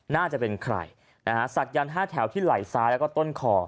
น่าจะเป็นใครนะฮะศักยันต์๕แถวที่ไหล่ซ้ายแล้วก็ต้นคอ